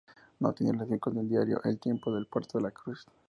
No tiene relación con el diario El Tiempo de Puerto La Cruz.